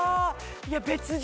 いや別人！